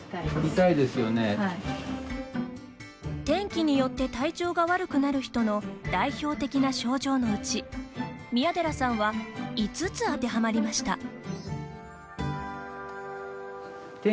天気によって体調が悪くなる人の代表的な症状のうち宮寺さんは５つ当てはまりました。